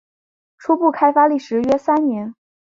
初步开发历时约三年。